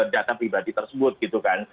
data pribadi tersebut gitu kan